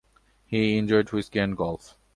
He enjoyed whisky and golf.